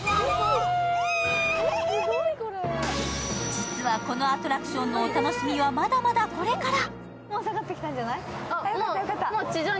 実は、このアトラクションのお楽しみはまだまだこれから！